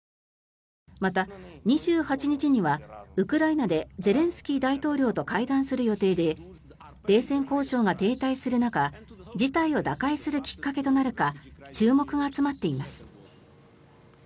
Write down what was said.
また、２８日にはウクライナでゼレンスキー大統領と会談する予定で停戦交渉が停滞する中事態を打開するきっかけとなるか注目が集まっています。